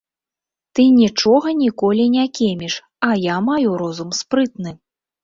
Ты нічога ніколі не кеміш, а я маю розум спрытны.